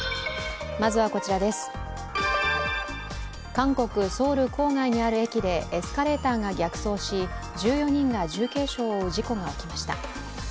韓国・ソウル郊外にある駅でエスカレーターが逆走し１４人が重軽傷を負う事故が起きました。